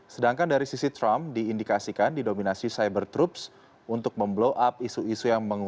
sedangkan dari sisi trump diindikasikan didominasi cyber troops untuk memblow up isu isu yang menyebabkan